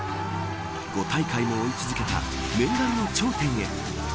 ５大会も追い続けた念願の頂点へ。